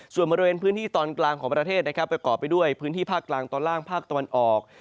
ส่วนบริเวณพื้นที่ตอนกลางของประเทศนะครับประกอบไปด้วยพื้นที่ภาคกลางตอนล่างภาคตะวันออก